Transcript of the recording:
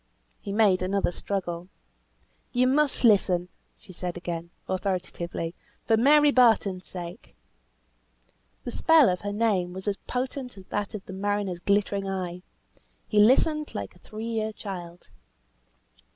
He made another struggle. "You must listen," she said again, authoritatively, "for Mary Barton's sake." The spell of her name was as potent as that of the mariner's glittering eye. "He listened like a three year child."